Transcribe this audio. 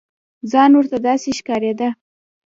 ځان ورته داسې ښکارېده.